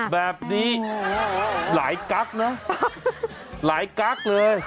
แบบนี้หลายกั๊กนะหลายกั๊กเลย